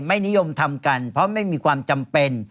นิยมทำกันเพราะไม่มีความจำเป็น